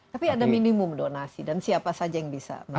tapi ada minimum donasi dan siapa saja yang bisa menerima